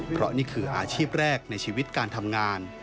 เพราะนี่คืออาชีพแรกในชีวิตการทำงาน